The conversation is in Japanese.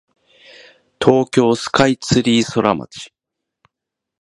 東京スカイツリーソラマチ